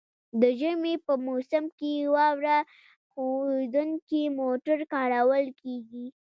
د ژمي په موسم کې واوره ښوییدونکي موټر کارول کیږي